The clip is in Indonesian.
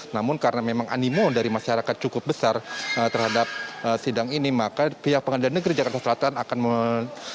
namun karena memang animo dari masyarakat cukup besar terhadap sidang ini maka pihak pengadilan negeri jakarta selatan akan menampilkan atau menempatkan beberapa monitor